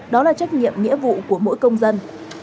đó là trách nhiệm nghĩa vụ của mỗi công dân